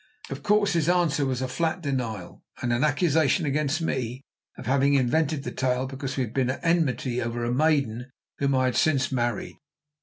Of course, his answer was a flat denial, and an accusation against me of having invented the tale because we had been at enmity over a maiden whom I had since married.